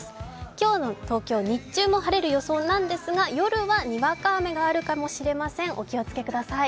今日の東京、日中も晴れる予想なんですが夜はにわか雨があるかもしれません、お気をつけください。